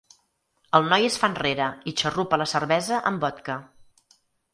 El noi es fa enrere i xarrupa la cervesa amb vodka.